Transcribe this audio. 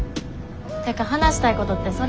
ってか話したいことってそれ？